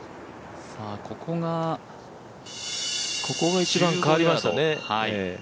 ここが一番変わりましたね。